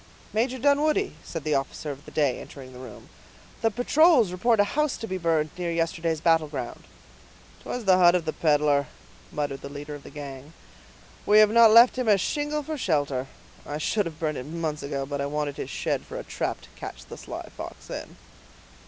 "Major Dunwoodie," said the officer of the day, entering the room, "the patrols report a house to be burned near yesterday's battle ground." "'Twas the hut of the peddler," muttered the leader of the gang. "We have not left him a shingle for shelter; I should have burned it months ago, but I wanted his shed for a trap to catch the sly fox in."